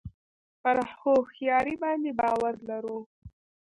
پر هوښیاري باندې باور لرو.